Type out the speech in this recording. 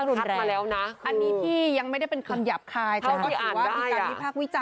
อุ้ยอันนี้คัดมาแล้วนะ